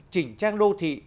chỉnh trang đô thị